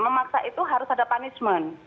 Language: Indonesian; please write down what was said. memaksa itu harus ada punishment